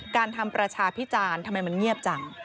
การทำประชาพิจารณ์ทำไมมันเงียบจัง